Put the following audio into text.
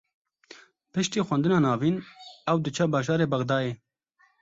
Piştî xwendina navîn, ew diçe bajarê Bexdayê